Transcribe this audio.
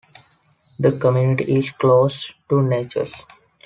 The community is close to Natchez.